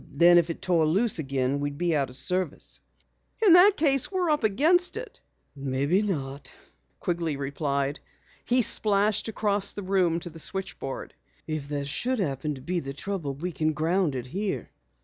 Then if it tore loose again we'd be out of service." "In that case we're up against it." "Maybe not," Quigley replied. He splashed across the room to the switchboard. "If that should happen to be the trouble, we can ground it here."